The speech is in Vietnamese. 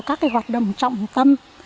các hoạt động trọng tâm